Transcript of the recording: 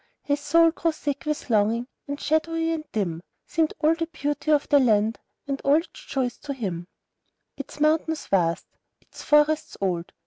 His soul grew sick with longing, and shadowy and dim Seemed all the beauty of the land, and all its joys, to him, Its mountains vast, its forests old.